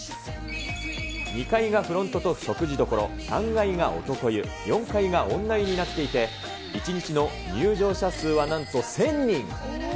２階がフロントと食事どころ、３階が男湯、４階が女湯になっていて、１日の入場者数はなんと１０００人。